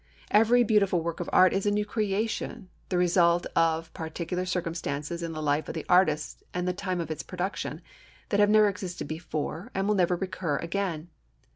Every beautiful work of art is a new creation, the result of particular circumstances in the life of the artist and the time of its production, that have never existed before and will never recur again.